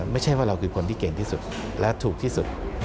ไม่ใช่ว่าเราคือคนที่เก่งที่สุดและถูกที่สุด